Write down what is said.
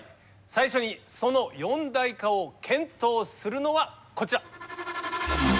最初にその四大化を検討するのはこちら。